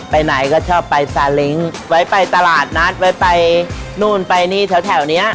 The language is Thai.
ไปไหนก็ชอบไปซาเล้งไว้ไปตลาดนัดไว้ไปนู่นไปนี่แถวเนี้ย